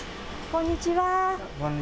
こんにちは。